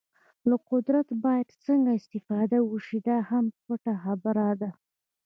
له قدرته باید څنګه استفاده وشي دا هم پټه خبره ده.